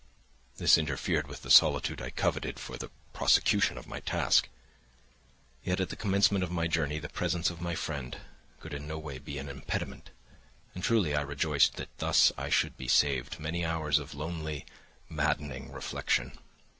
This interfered with the solitude I coveted for the prosecution of my task; yet at the commencement of my journey the presence of my friend could in no way be an impediment, and truly I rejoiced that thus I should be saved many hours of lonely, maddening reflection.